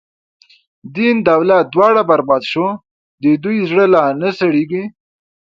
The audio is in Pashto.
دین دولت دواړه بر باد شو، د ده زړه لا نه سړیږی